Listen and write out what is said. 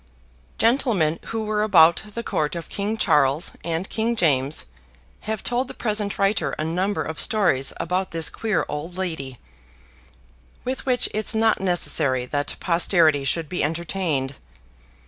Gentlemen who were about the Court of King Charles, and King James, have told the present writer a number of stories about this queer old lady, with which it's not necessary that posterity should be entertained.